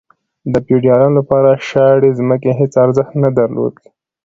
د فیوډالانو لپاره شاړې ځمکې هیڅ ارزښت نه درلود.